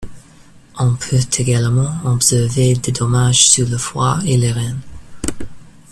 On peut également observer des dommages sur le foie et les reins.